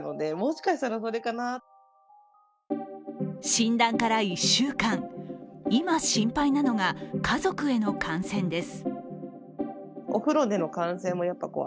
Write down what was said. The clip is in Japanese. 診断から１週間、今、心配なのが家族への感染です。